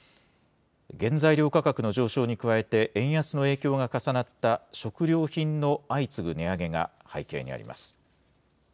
原材料価格の上昇に加えて、円安の影響が重なった食料品の相次ぐ値上げが背景にあります。